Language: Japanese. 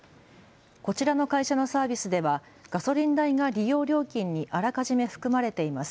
こちらの会社のサービスではガソリン代が利用料金にあらかじめ含まれています。